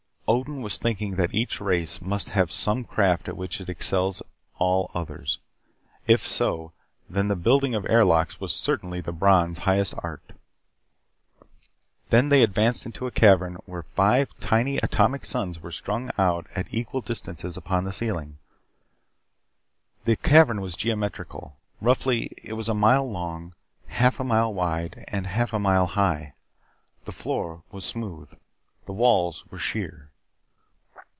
Odin was thinking that each race must have some craft at which it excels all others. If so, then the building of air locks was certainly the Brons' highest art. Then they advanced into a cavern where five tiny atomic suns were strung out at equal distances upon the ceiling. The cavern was geometrical. Roughly, it was a mile long, half a mile wide, and half a mile high. The floor was smooth; the walls were sheer.